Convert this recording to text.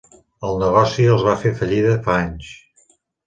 El negoci els va fer fallida fa anys.